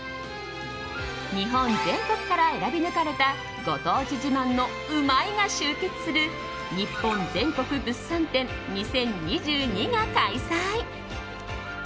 日本全国から選び抜かれたご当地自慢のうまいが集結するニッポン全国物産展２０２２が開催。